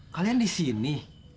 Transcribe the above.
kalian di sini